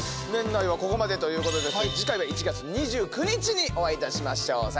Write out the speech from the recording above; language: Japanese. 年内はここまでということですけど次回は１月２９日にお会いいたしましょう。